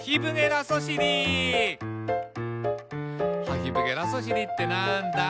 「ハヒブゲラソシリってなんだ？」